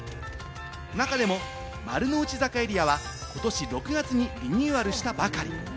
中でも丸の内坂エリアは、ことし６月にリニューアルしたばかり。